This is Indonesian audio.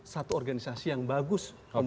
satu organisasi yang bagus